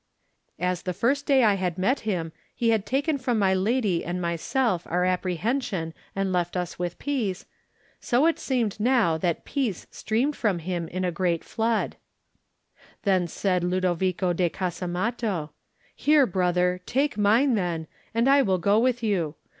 As the first day I had met him he had 57 Digitized by Google THE NINTH MAN taken from my lady and myself our appre hension and left us with peace, so it seemed now that peace streamed from him in a great flood. Then said Ludovico de Casamatto: ••Here, brother, take mine, then, and I will go with you.